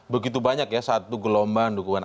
begitu banyak ya saat itu gelombang dukungan